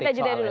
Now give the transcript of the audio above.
kita juda dulu